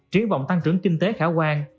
trí vọng tăng trưởng kinh tế khả quan